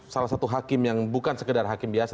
salah satu hakim yang bukan sekedar hakim biasa